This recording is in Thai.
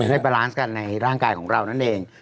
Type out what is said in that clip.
ให้บาลานซ์กันในร่างกายของเรานั่นเอง